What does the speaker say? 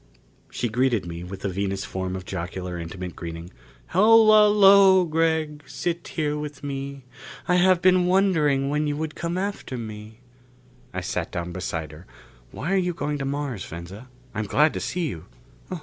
She greeted me with the Venus form of jocular, intimate greeting: "Hola lo, Gregg! Sit here with me. I have been wondering when you would come after me." I sat down beside her. "Why are you going to Mars, Venza? I'm glad to see you."